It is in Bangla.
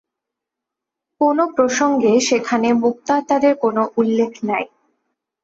কোন প্রসঙ্গে সেখানে মুক্তাত্মাদের কোন উল্লেখ নাই।